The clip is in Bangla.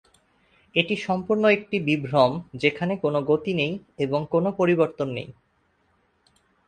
এটি সম্পূর্ণ একটি বিভ্রম: সেখানে কোন গতি নেই এবং কোন পরিবর্তন নেই।